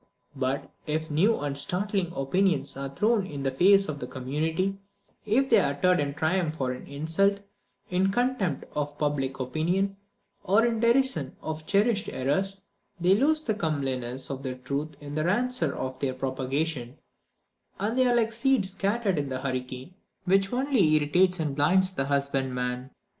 But, if new and startling opinions are thrown in the face of the community if they are uttered in triumph or in insult in contempt of public opinion, or in derision of cherished errors, they lose the comeliness of truth in the rancour of their propagation; and they are like seed scattered in a hurricane, which only irritates and blinds the husbandman.